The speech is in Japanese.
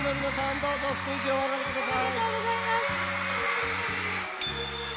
どうぞステージへお上がりください。